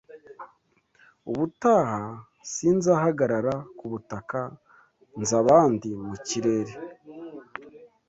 Ubutaha sinzahagarara kubutaka nzabandi mukirere